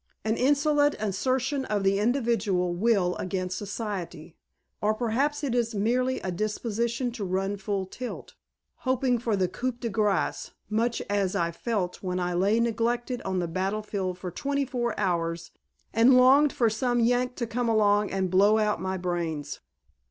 An insolent assertion of the individual will against Society. Or perhaps it is merely a disposition to run full tilt, hoping for the coup de grace much as I felt when I lay neglected on the battlefield for twenty four hours and longed for some Yank to come along and blow out my brains."